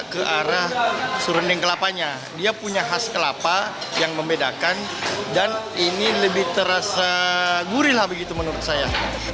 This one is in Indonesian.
ke arah surending kelapanya dia punya khas kelapa yang membedakan dan ini lebih terasa gurih lah begitu menurut saya